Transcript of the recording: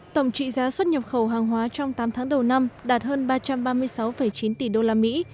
tổng trị giá xuất nhập khẩu hàng hóa trong tám tháng đầu năm đạt hơn ba trăm ba mươi sáu chín tỷ đô la mỹ